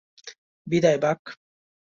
বিদায়, বাক!